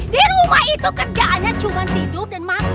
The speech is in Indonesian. di rumah itu kerjaannya cuma tidur dan makan